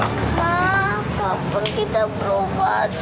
maa kapan kita berubah nih